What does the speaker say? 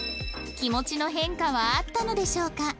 気持ちの変化はあったのでしょうか？